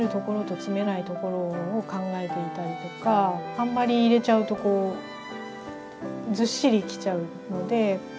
あんまり入れちゃうとこうずっしりきちゃうので。